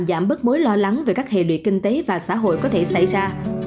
giảm bớt mối lo lắng về các hệ lụy kinh tế và xã hội có thể xảy ra